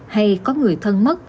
hay có người thân mất